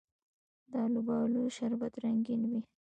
د الوبالو شربت رنګین وي.